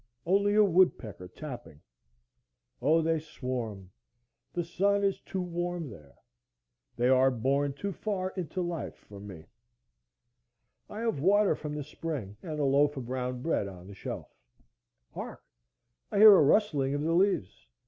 Only a woodpecker tapping. O, they swarm; the sun is too warm there; they are born too far into life for me. I have water from the spring, and a loaf of brown bread on the shelf.—Hark! I hear a rustling of the leaves.